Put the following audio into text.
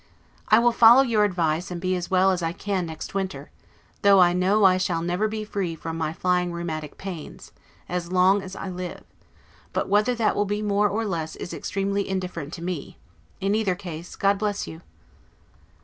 I will follow your advice, and be as well as I can next winter, though I know I shall never be free from my flying rheumatic pains, as long as I live; but whether that will be more or less, is extremely indifferent to me; in either case, God bless you!